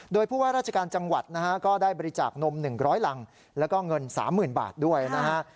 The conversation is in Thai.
โดยผู้ว่าราชการจังหวัดนะฮะก็ได้บริจาคนม๑๐๐รังแล้วก็เงิน๓๐๐๐บาทด้วยนะฮะ